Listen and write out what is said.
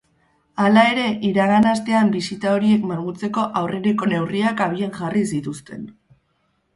Hala ere, iragan astean bisita horiek malgutzeko aurreneko neurriak abian jarri zituzten.